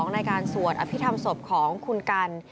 ในการสวดอภิษฐรรมศพของคุณกัน